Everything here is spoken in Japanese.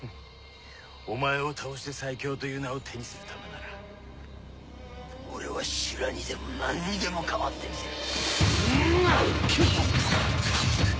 お前を倒して最強という名を手にするためなら俺は修羅にでも何にでも変わってみせる！